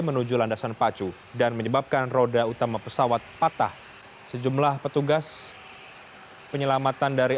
menuju landasan pacu dan menyebabkan roda utama pesawat patah sejumlah petugas penyelamatan dari